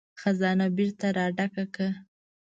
خزانه بېرته را ډکه کړه.